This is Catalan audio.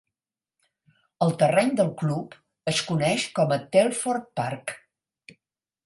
El terreny del club es coneix com a Telford Park.